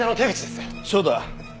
そうだ。